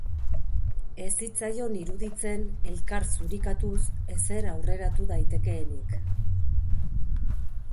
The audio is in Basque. Ez zitzaion iruditzen elkar zurikatuz ezer aurreratu daitekeenik.